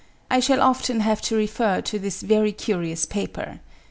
I shall often have to refer to this very curious paper.)